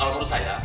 kalau menurut saya